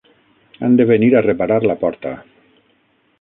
Han de venir a reparar la porta.